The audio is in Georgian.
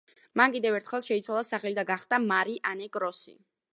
მან კიდევ ერთხელ შეიცვალა სახელი და გახდა მარი ანე კროსი.